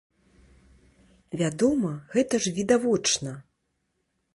Вядома, гэта ж відавочна.